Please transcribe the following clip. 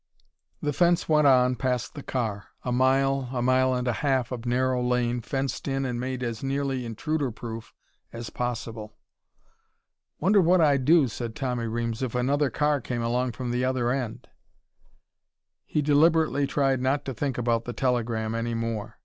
The fence went on past the car. A mile, a mile and a half of narrow lane, fenced in and made as nearly intruder proof as possible. "Wonder what I'd do," said Tommy Reames, "if another car came along from the other end?" He deliberately tried not to think about the telegram any more.